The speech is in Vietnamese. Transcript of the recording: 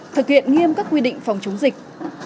thực hiện nghiêm các quy định phòng chống dịch